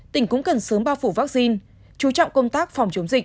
tỉnh cũng cần sớm bao phủ vaccine chú trọng công tác phòng chống dịch